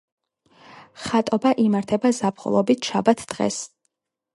ხატობა იმართება ზაფხულობით, შაბათ დღეს.